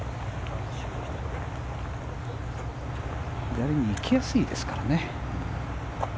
左に行きやすいですからね。